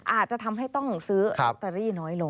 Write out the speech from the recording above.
อาจจะทำให้ต้องซื้อลอตเตอรี่น้อยลง